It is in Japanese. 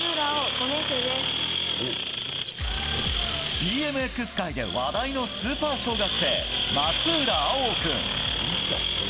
ＢＭＸ界で話題のスーパー小学生、松浦葵央君。